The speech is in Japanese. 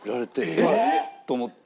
ええっ！？と思って。